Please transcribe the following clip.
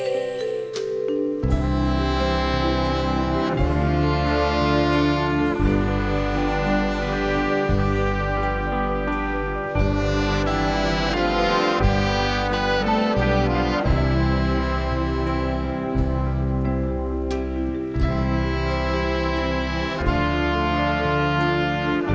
ฉันชันกีล่าพิเศษปวงเวลาไม่ได้